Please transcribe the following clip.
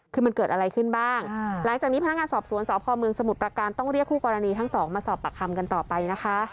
คือมันเกิดอะไรขึ้นบ้างหลังจากนี้พนักงานสอบสวนสพเมืองสมุทรประการต้องเรียกคู่กรณีทั้งสองมาสอบปากคำกันต่อไปนะคะ